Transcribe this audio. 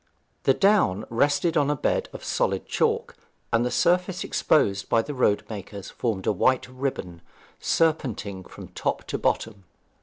The down rested on a bed of solid chalk, and the surface exposed by the roadmakers formed a white ribbon, serpenting from top to bottom.